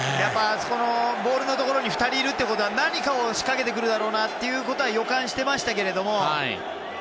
あそこのボールのところに２人いるってことは何か仕掛けてくるだろうなとは予感してましたけれども。